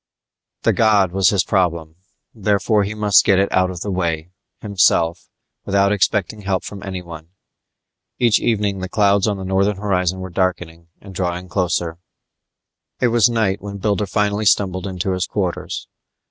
The god was his problem; therefore he must get it out of the way, himself, without expecting help from anyone. Each evening the clouds on the northern horizon were darkening and drawing closer. It was night when Builder finally stumbled into his quarters.